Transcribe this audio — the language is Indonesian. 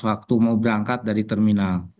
waktu mau berangkat dari terminal